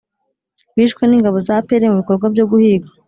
bishwe n'ingabo za apr mu bikorwa byo guhiga